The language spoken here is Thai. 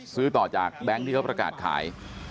ซื้อต่อจากแบงค์ที่เขาประกาศขาย